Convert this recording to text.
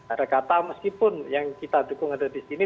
ada kata meskipun yang kita dukung ada di sini